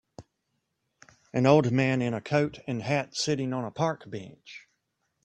An old man in a coat and hat sitting on a park bench.